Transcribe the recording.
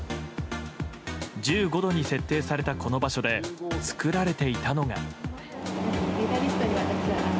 １５度に設定されたこの場所で作られていたのが。